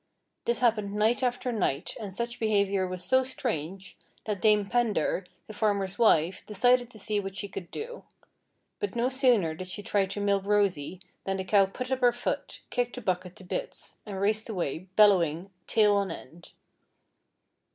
This happened night after night, and such behaviour was so strange, that Dame Pendar, the farmer's wife, decided to see what she could do. But no sooner did she try to milk Rosy than the cow put up her foot, kicked the bucket to bits, and raced away, bellowing, tail on end.